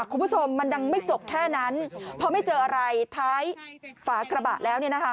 คุณผู้ชมมันดังไม่จบแค่นั้นพอไม่เจออะไรท้ายฝากระบะแล้วเนี่ยนะคะ